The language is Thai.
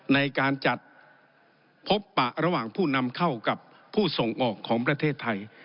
ในการจัดพบปะระหว่างผู้นำเข้ากับผู้ส่งออกของประเทศไทย